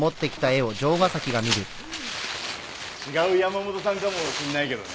違う山本さんかもしんないけどね。